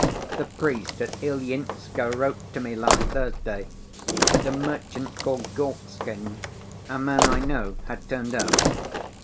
The priest at Ilyinskoe wrote to me last Thursday that a merchant called Gorstkin, a man I know, had turned up.